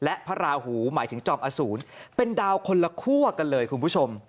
และพระราหูหมายถึงจอมอสูรเป็นดาวคนละคั่วกันเลยคุณผู้ชม